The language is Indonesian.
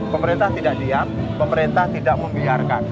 pemerintah tidak diam pemerintah tidak membiarkan